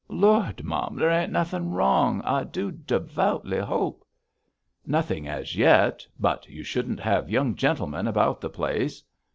'Lord! mum, there ain't nothing wrong, I do devoutly hope.' 'Nothing as yet; but you shouldn't have young gentlemen about the place.'